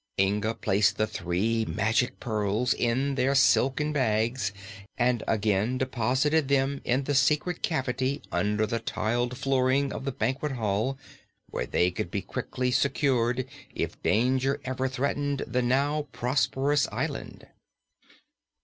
Inga placed the three Magic Pearls in their silken bag and again deposited them in the secret cavity under the tiled flooring of the banquet hall, where they could be quickly secured if danger ever threatened the now prosperous island.